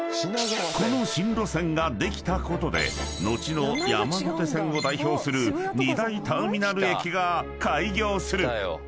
［この新路線ができたことで後の山手線を代表する２大ターミナル駅が開業する］